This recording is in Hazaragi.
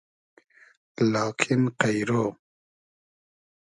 لاکین قݷرۉ